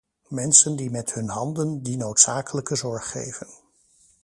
Mensen die met hun handen die noodzakelijke zorg geven.